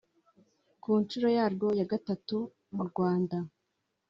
Ku nshuro yaryo ya gatatu mu Rwanda